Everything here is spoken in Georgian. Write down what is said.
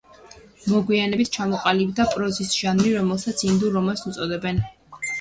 მოგვიანებით ჩამოყალიბდა პროზის ჟანრი, რომელსაც ინდურ რომანს უწოდებენ.